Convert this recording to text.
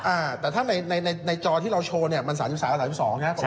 อ่าแต่ถ้าในในในในจอที่เราโชว์เนี่ยมันสามสิบสามนะสามสิบสองนะใช่